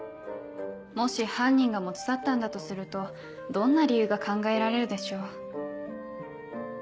もし犯人が持ち去ったんだとするとどんな理由が考えられるでしょう？